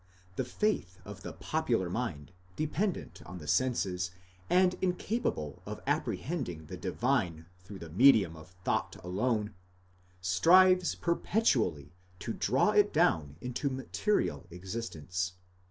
The faith of the popular mind, dependent on the senses, and incapable of apprehending the divine through the medium of thought alone, strives perpetually to draw it down into material existence.